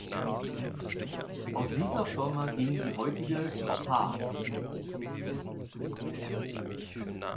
Aus dieser Firma ging die heutige „H.